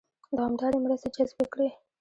دوامدارې مرستې جذبې کړي.